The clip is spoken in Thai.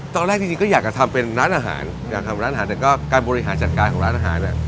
ตอนแรกจริงก็อยากจะทำเป็นร้านอาหารแต่การบริหารจัดการของร้านอาหาร